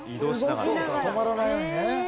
止まらないようにね。